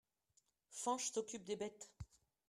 Fañch s'occupe des bêtes.